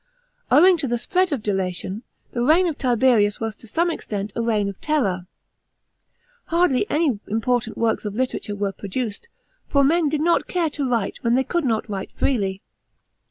Owing to the spread of delation, the reign ol Tiherius was to some extent a reign ol terror. Hardly any important works of liternture were produced, for men did not care to write wh^n thev could not write freely.